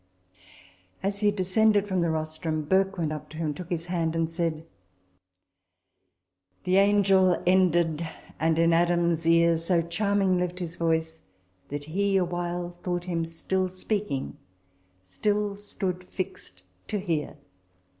As he descended from the rostrum, Burke went up to him, took his hand, and said, "The Angel ended, and in Adam's ear So charming left his voice, that he a while Thought him still speaking, still stood fix'd to hear."